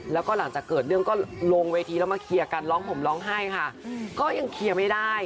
แล้วก็หลังจากเกิดเรื่องก็ลงเวทีแล้วมาเคลียร์กันร้องผมร้องไห้ค่ะก็ยังเคลียร์ไม่ได้